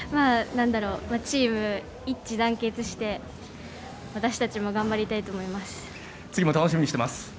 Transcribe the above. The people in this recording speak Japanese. チーム一致団結して私たちも頑張りたいと思います。